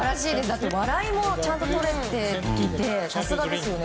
だって笑いもちゃんととれていてさすがですよね。